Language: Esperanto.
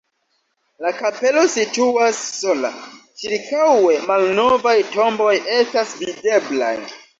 La kapelo situas sola, ĉirkaŭe malnovaj tomboj estas videblaj.